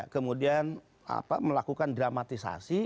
kemudian melakukan dramatisasi